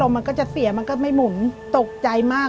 มีชอบทหารนี้ไหวเหรอ